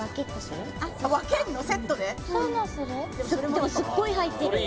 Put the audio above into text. でもすっごい入ってるよ